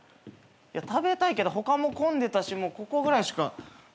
食べたいけど他も混んでたしもうここぐらいしか。